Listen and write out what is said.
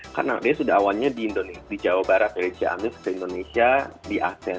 karena dia sudah awalnya di jawa barat indonesia di indonesia di asean